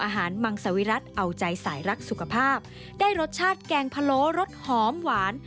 หัวใจสายรักสุขภาพได้รสชาติแกงพะโล้รสหอมหวาน